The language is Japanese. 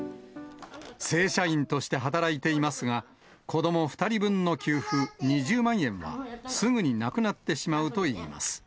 正社員として働いていますが、子ども２人分の給付２０万円はすぐになくなってしまうといいます。